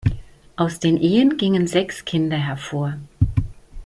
Aus den Ehen gingen sechs Kinder hervor.